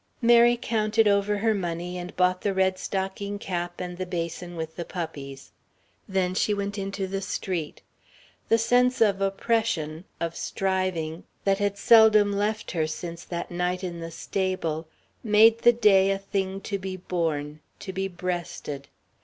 Mary counted over her money, and bought the red stocking cap and the basin with the puppies. Then she went into the street. The sense of oppression, of striving, that had seldom left her since that night in the stable, made the day a thing to be borne, to be breasted.